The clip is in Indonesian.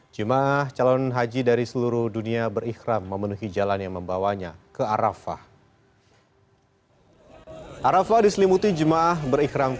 jum'ah paling mustajab